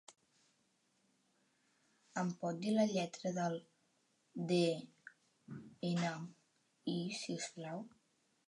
Em pot dir la lletra del de-ena-i, si us plau?